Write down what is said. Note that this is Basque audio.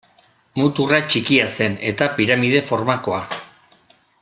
Muturra txikia zen, eta piramide formakoa.